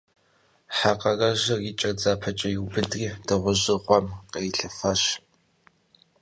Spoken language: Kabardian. Хьэ къэрэжыр и кӏэр дзапэкӏэ иубыдри, дыгъужьыр гъуэм кърилъэфащ.